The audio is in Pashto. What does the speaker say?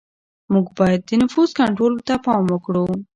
موږ باید د نفوس کنټرول ته پام وکړو.